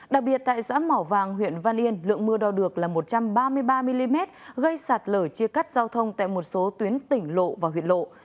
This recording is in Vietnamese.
đặc biệt tại xã mỏ vàng huyện văn yên lượng mưa đo được là một trăm ba mươi ba mm gây sạt lở chia cắt giao thông tại một số tuyến tỉnh lộ và huyện lộ